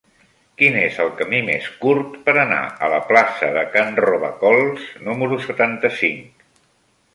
Quin és el camí més curt per anar a la plaça de Can Robacols número setanta-cinc?